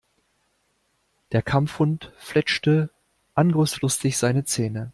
Der Kampfhund fletschte angriffslustig seine Zähne.